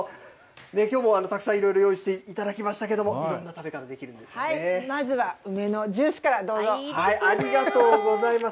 きょうもたくさん、いろいろ用意していただきましたけれども、いまずは梅のジュースからどうありがとうございます。